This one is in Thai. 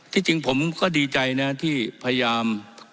จริงผมก็ดีใจนะที่พยายาม